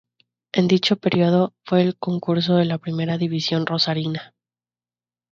En dicho período, fue el concurso de la primera división rosarina.